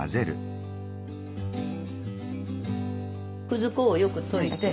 くず粉をよく溶いて。